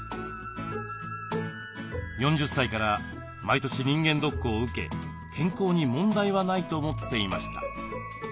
４０歳から毎年人間ドックを受け健康に問題はないと思っていました。